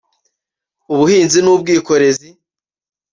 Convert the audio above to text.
ubuhinzi n’ubwikorezi